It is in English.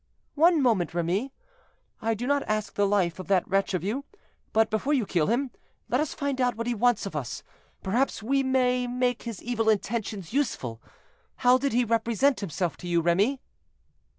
"One moment, Remy; I do not ask the life of that wretch of you, but before you kill him, let us find out what he wants of us; perhaps we may make his evil intentions useful. How did he represent himself to you, Remy?"